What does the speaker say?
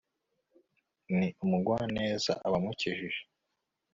ni umugwaneza abamukikije